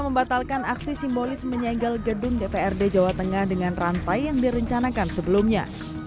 membatalkan aksi simbolis menyegel gedung dprd jawa tengah dengan rantai yang direncanakan sebelumnya